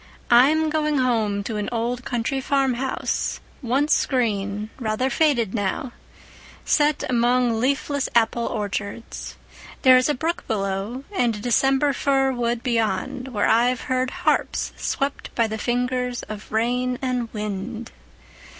I'm going home to an old country farmhouse, once green, rather faded now, set among leafless apple orchards. There is a brook below and a December fir wood beyond, where I've heard harps swept by the fingers of rain and wind.